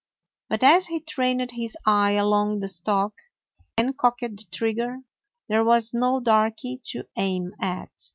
But as he trained his eye along the stock and cocked the trigger, there was no Darky to aim at.